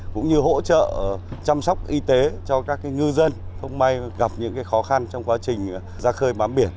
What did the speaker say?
cũng như hỗ trợ chăm sóc y tế cho các ngư dân không may gặp những khó khăn trong quá trình ra khơi bám biển